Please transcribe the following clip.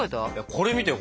これ見てよ